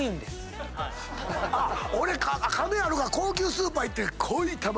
俺金あるから高級スーパー行って濃い卵。